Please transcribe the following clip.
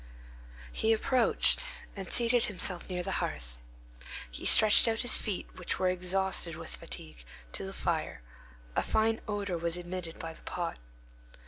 He approached and seated himself near the hearth. He stretched out his feet, which were exhausted with fatigue, to the fire; a fine odor was emitted by the pot.